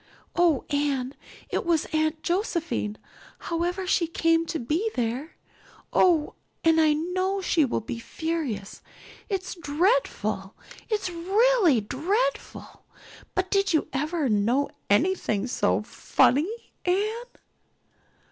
"Oh, Anne, it was Aunt Josephine, however she came to be there. Oh, and I know she will be furious. It's dreadful it's really dreadful but did you ever know anything so funny, Anne?"